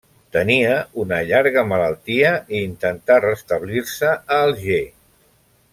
Tenia una llarga malaltia i intentà restablir-se a Alger.